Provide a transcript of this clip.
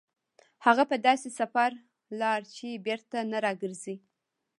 هغه په داسې سفر لاړ چې بېرته نه راګرځي.